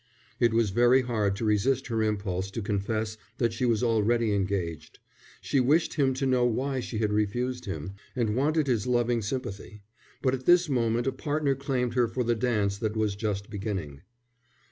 It was very hard to resist her impulse to confess that she was already engaged. She wished him to know why she had refused him, and wanted his loving sympathy. But at this moment a partner claimed her for the dance that was just beginning.